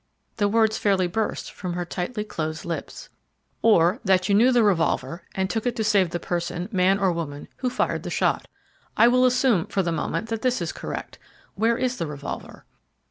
The words fairly burst from her tightly closed lips. "Or that you knew the revolver, and took it to save the person, man or woman, who fired the shot. I will assume, for the moment, that this is correct. Where is the revolver?"